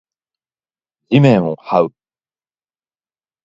地面を這う